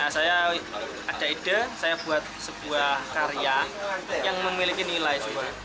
saya ada ide saya buat sebuah karya yang memiliki nilai